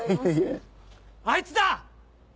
あいつだ！